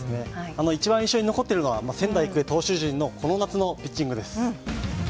一番印象に残っているのは仙台育英投手陣の、この夏のピッチングです。